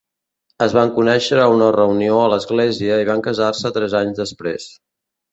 Es van conèixer a una reunió a l'església i van casar-se tres anys després.